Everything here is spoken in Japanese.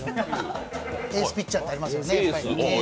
エースピッチャーってありますよね。